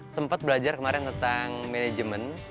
sempat belajar kemarin tentang manajemen